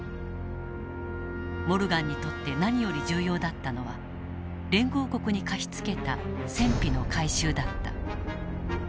モルガンにとって何より重要だったのは連合国に貸し付けた戦費の回収だった。